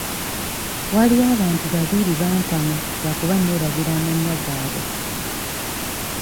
Waliwo abantu babiri bantama lwakuba neerabira amannya gaabwe.